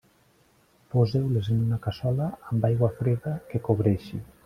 Poseu-les en una cassola, amb aigua freda, que cobreixi.